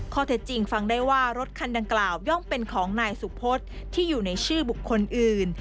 ข้อเท็จจริงฟังได้ว่ารถคันดังกล่าวย่อมเป็นของนายสุพธที่อยู่ในชื่อบุคคลอื่น